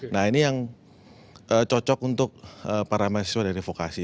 nah ini yang cocok untuk para mahasiswa dari vokasi